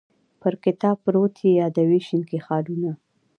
پر کتاب پروت یې یادوې شینکي خالونه